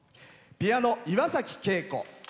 ピアノ、岩崎恵子。